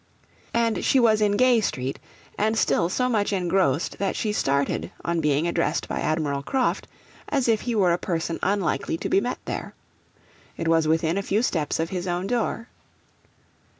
And she was in Gay Street, and still so much engrossed that she started on being addressed by Admiral Croft, as if he were a person unlikely to be met there. It was within a few steps of his own door.